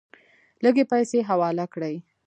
لږې پیسې حواله کړې.